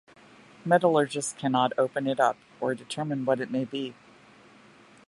Metallurgists cannot open it up or determine what it may be.